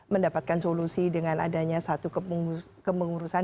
mendapatkan solusi dengan adanya satu kemengurusan